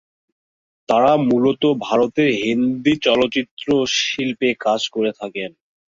তারা মূলত ভারতের হিন্দি চলচ্চিত্র শিল্পে কাজ করে থাকেন।